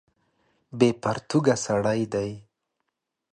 بې پرتوګه سړی دی.